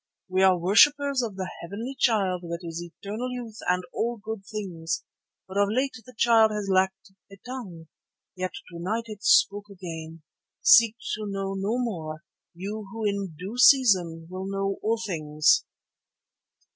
We are worshippers of the Heavenly Child that is eternal youth and all good things, but of late the Child has lacked a tongue. Yet to night it spoke again. Seek to know no more, you who in due season will know all things."